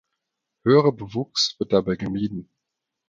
Höherer Bewuchs wird dabei gemieden.